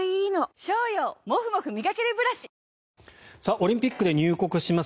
オリンピックで入国します